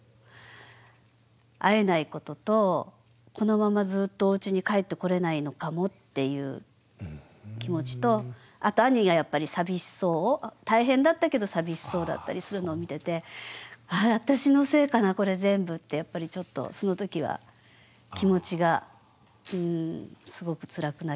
会えないこととこのままずっとおうちに帰ってこれないのかもっていう気持ちとあと兄がやっぱり寂しそう大変だったけど寂しそうだったりするのを見てて私のせいかなこれ全部ってやっぱりちょっとその時は気持ちがうんすごくつらくなりましたね。